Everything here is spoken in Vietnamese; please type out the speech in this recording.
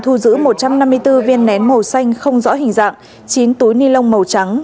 thu giữ một trăm năm mươi bốn viên nén màu xanh không rõ hình dạng chín túi ni lông màu trắng